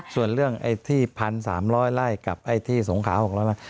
ส่วนเรื่องไอ้ที่พันสามร้อยไร่กับไอ้ที่สงขาหกร้อยไร่